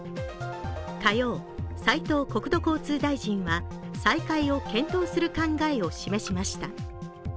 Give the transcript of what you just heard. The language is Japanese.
火曜、斉藤国土交通大臣は再開を検討する考えを示しました。